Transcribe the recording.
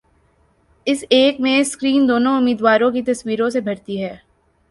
اس ایک میں سکرین دونوں امیدواروں کی تصویروں سے بھرتی ہے